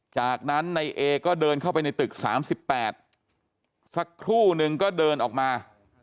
จากนั้นนายเอก็เดินเข้าไปในตึก๓๘สักครู่นึงก็เดินออกมา